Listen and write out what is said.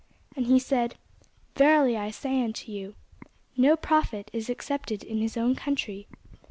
And he said, Verily I say unto you, No prophet is accepted in his own country.